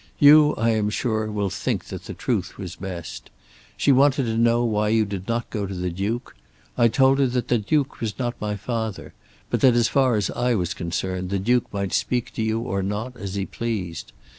You, I am sure, will think that the truth was best. She wanted to know why you did not go to the Duke. I told her that the Duke was not my father; but that as far as I was concerned the Duke might speak to you or not as he pleased.